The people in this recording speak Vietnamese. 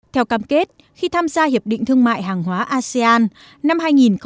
theo cam kết khi tham gia hiệp định thương mại hàng hóa asean năm hai nghìn một mươi tám